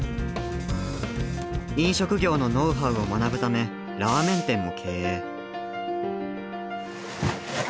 飲食業のノウハウを学ぶためラーメン店も経営。